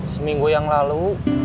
seminggu yang lalu